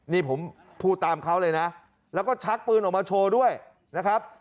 นี่ผมพูดตามเขาเลยนะแล้วก็ชักปืนออกมาโชว์ด้วยนะครับ